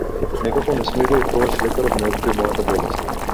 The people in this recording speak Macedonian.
Некако ме смирија и тогаш лекарот ми ја откри мојата болест.